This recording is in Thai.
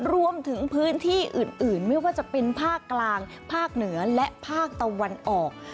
รวมถึงพื้นที่อื่นไม่ว่าจะเป็นภาคกลางภาคเหนือและภาคตะวันออก